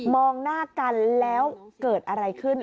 องหน้ากันแล้วเกิดอะไรขึ้น